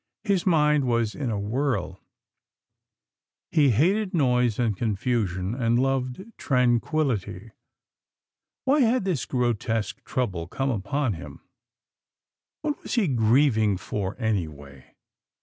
His mind was in a whirl. He hated noise and confusion, and loved tranquillity. Why had this grotesque trouble come upon him? What was he grieving for, anyway?